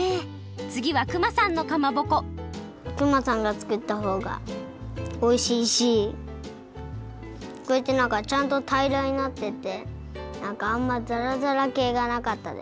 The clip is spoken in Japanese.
つぎは熊さんのかまぼこ熊さんが作ったほうがおいしいしこうやってなんかちゃんとたいらになっててなんかあんまザラザラけいがなかったです。